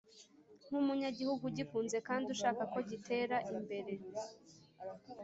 nk’umunyagihugu ugikunze kandi ushaka ko gitera imbere.